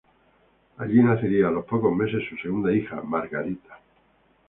Allí nacería a los pocos meses su segunda hija, Margarita.